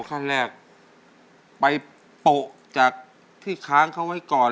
ขั้นแรกไปโปะจากที่ค้างเขาไว้ก่อน